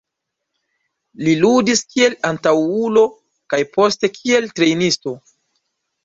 Li ludis kiel antaŭulo kaj poste kiel trejnisto.